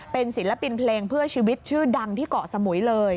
เป็นศิลปินเพลงเพื่อชีวิตชื่อดังที่เกาะสมุยเลย